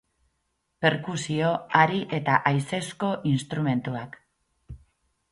Perkusio, hari eta haizezko instrumentuak.